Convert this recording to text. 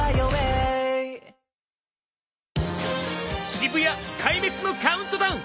渋谷壊滅のカウントダウン。